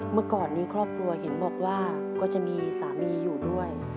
เมื่อก่อนนี้ครอบครัวเห็นบอกว่าก็จะมีสามีอยู่ด้วย